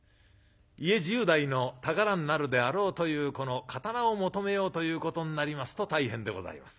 家重代の宝になるであろうというこの刀を求めようということになりますと大変でございます。